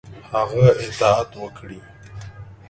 هغه اطاعت وکړي.